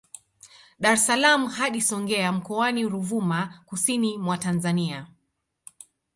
Dar es salaam hadi Songea Mkoani Ruvuma Kusini mwa Tanzania